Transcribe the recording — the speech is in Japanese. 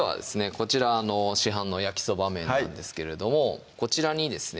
こちら市販の焼きそば麺なんですけどもこちらにですね